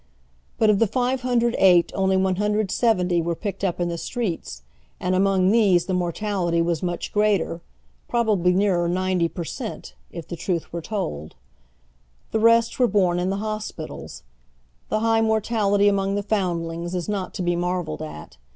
But of the 508 only 170 were picked up in the streets, and among tliese the mortality was much greater, pi'obably nearer ninety per cent., if the truth were told. The i est were born in the hospitals. The high mortality among the foundlings is not to be marvelled at.